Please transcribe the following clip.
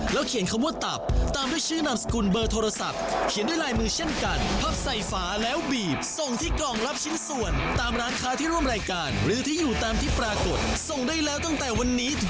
แล้วมาดูความสนุกกันต่อในตลอดค่า